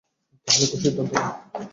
তাহলে এখন সিদ্ধান্ত নাও।